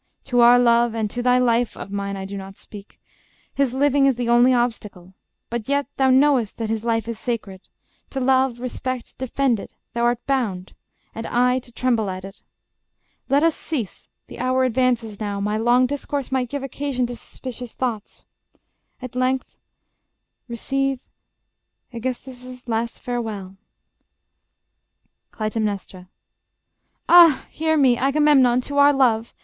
To our love And to thy life (of mine I do not speak) His living is the only obstacle; But yet, thou knowest that his life is sacred: To love, respect, defend it, thou art bound; And I to tremble at it. Let us cease: The hour advances now; my long discourse Might give occasion to suspicious thoughts. At length receive ... Aegisthus's last farewell. Cly. Ah! hear me ... Agamemnon to our love ...